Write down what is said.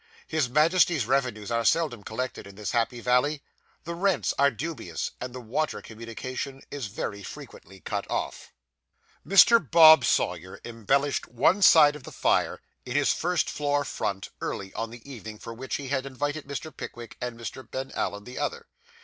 His Majesty's revenues are seldom collected in this happy valley; the rents are dubious; and the water communication is very frequently cut off. Mr. Bob Sawyer embellished one side of the fire, in his first floor front, early on the evening for which he had invited Mr. Pickwick, and Mr. Ben Allen the other.